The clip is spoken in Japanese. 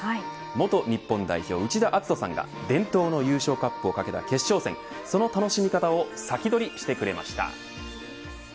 元日本代表、内田篤人さんが伝統の優勝カップを懸けた決勝戦その楽しみ方を先取りしてくれました。